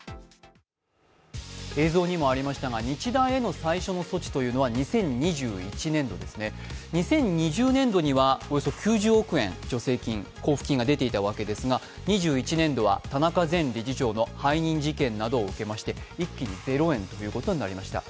映像にもありましたが日大への最初の措置というのは２０２１年度ですね、２０２０年度にはおよそ９０億円助成金、交付金が出ていたんですが２１年度は田中前理事長の背任事件などを受けまして一気にゼロ円ということになりました。